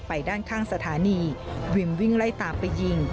ด้านข้างสถานีวิมวิ่งไล่ตามไปยิง